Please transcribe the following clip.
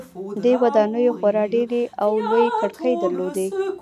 دې ودانیو خورا ډیرې او لویې کړکۍ درلودې.